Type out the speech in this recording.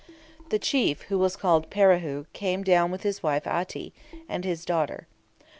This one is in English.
The chief, who was called Parihu, came down with his wife Aty, and his daughter.